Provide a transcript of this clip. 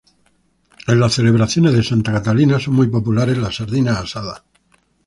En las celebraciones de Santa Catalina son muy populares las sardinas asadas.